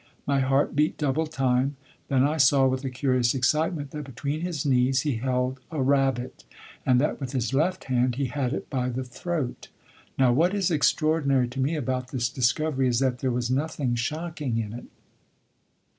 My heart beat double time. Then I saw, with a curious excitement, that between his knees he held a rabbit, and that with his left hand he had it by the throat. Now, what is extraordinary to me about this discovery is that there was nothing shocking in it.